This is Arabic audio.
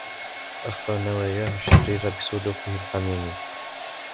أخفى نواياه الشريرة بسلوكه الحميمي.